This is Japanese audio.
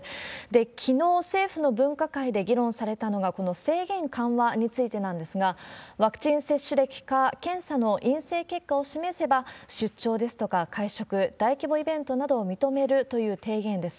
きのう、政府の分科会で議論されたのが、この制限緩和についてなんですが、ワクチン接種歴か検査の陰性結果を示せば、出張ですとか会食、大規模イベントなどを認めるという提言です。